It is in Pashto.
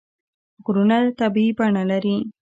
غرونه طبیعي بڼه لري.